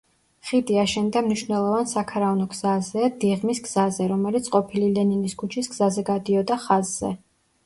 ხიდი აშენდა მნიშვნელოვან საქარავნო გზაზე „დიღმის გზაზე“, რომელიც ყოფილი ლენინის ქუჩის გზაზე გადიოდა ხაზზე.